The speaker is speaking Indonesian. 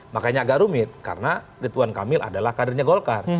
makanya agak rumit karena ridwan kamil adalah kadernya golkar